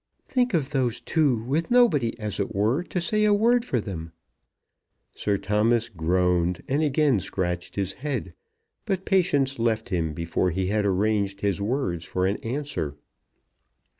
Think of those two, with nobody, as it were, to say a word for them." Sir Thomas groaned, and again scratched his head; but Patience left him before he had arranged his words for an answer.